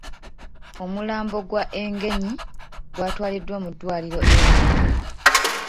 Omulambo gwa Engenyi gwatwaliddwa mu ddwaliro e Mulago.